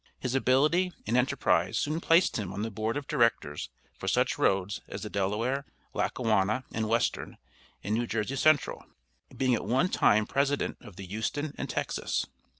His ability and enterprise soon placed him on the board of directors for such roads as the Delaware, Lackawanna and Western, and New Jersey Central, being at one time President of the Houston and Texas.